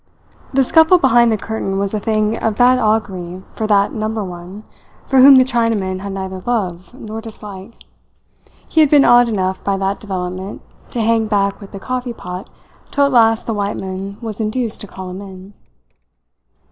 The scuffle behind the curtain was a thing of bad augury for that Number One for whom the Chinaman had neither love nor dislike. He had been awed enough by that development to hang back with the coffee pot till at last the white man was induced to call him in.